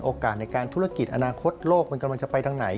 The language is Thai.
ในการธุรกิจอนาคตโลกมันกำลังจะไปทางไหน